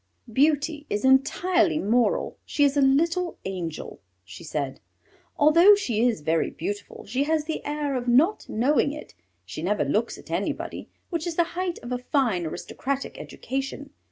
"Beauty is entirely moral; she is a little angel," she said. "Although she is very beautiful she has the air of not knowing it. She never looks at anybody, which is the height of a fine aristocratic education.